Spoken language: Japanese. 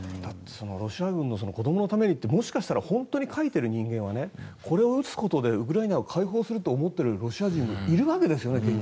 ロシア軍の子どものためにってもしかしたら本当に書いている人間はこれを撃つことでウクライナを解放すると思ってるロシア人がいるわけですよね